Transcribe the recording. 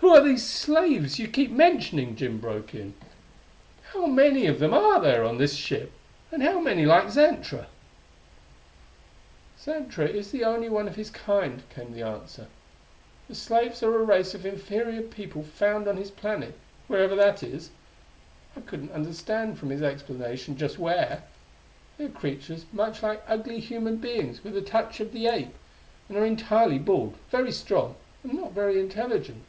"Who are these slaves you keep mentioning?" Jim broke in. "How many of them are there on this ship: and how many like Xantra?" "Xantra is the only one of his kind," came the answer. "The slaves are a race of inferior people found on his planet wherever that is: I couldn't understand, from his explanation, just where. They are creatures much like ugly human beings with a touch of the ape, and are entirely bald, very strong and not very intelligent.